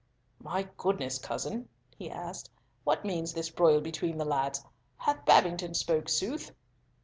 "My good cousin," he asked, "what means this broil between the lads? Hath Babington spoken sooth?"